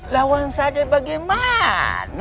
lawan saja bagaimana